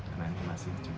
dan ini masih juga